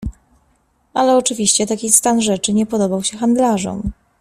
Ale oczywiście taki stan rzeczy nie podobał sie handlarzom.